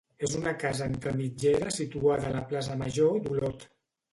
És una casa entre mitgera situada a la plaça Major d'Olot.